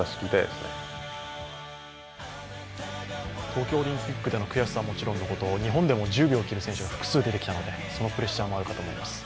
東京オリンピックでの悔しさはもちろんのこと、日本でも１０秒を切る選手が複数、出てきたのでそのプレッシャーもあるかと思います。